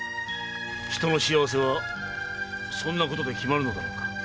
人の幸せはそんなことで決まるのだろうか。